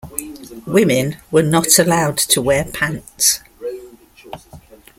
Women were not allowed to wear pants.